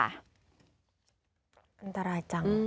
อันตรายจัง